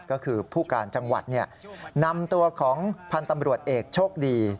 ก็คือผู้การจังหวัดนำตัวของพันธ์ตำรวจเอกโชคดี